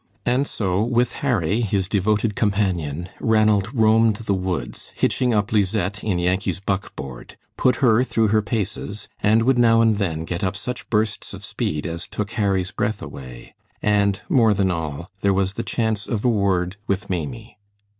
And so, with Harry, his devoted companion, Ranald roamed the woods, hitching up Lisette in Yankee's buckboard, put her through her paces, and would now and then get up such bursts of speed as took Harry's breath away; and more than all, there was the chance of a word with Maimie.